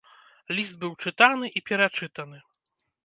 Ліст быў чытаны і перачытаны.